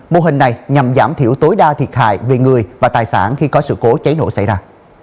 mô hình này nhằm giảm thiểu tối đa thiệt hại về người và tài sản khi có sự cố cháy nổ xảy ra